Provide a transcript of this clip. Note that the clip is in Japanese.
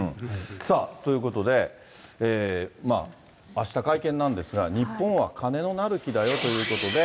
さあ、ということで、あした会見なんですが、日本は金のなる木だよということで。